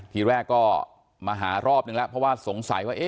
ทีแรกก็มาหารอบนึงแล้วเพราะว่าสงสัยว่า